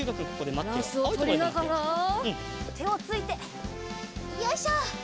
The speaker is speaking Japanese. バランスをとりながらてをついてよいしょ。